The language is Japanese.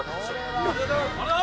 ありがとうございます。